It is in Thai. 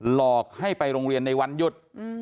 หลอกให้ไปโรงเรียนในวันหยุด